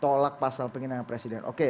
tolak pasal penghinaan presiden oke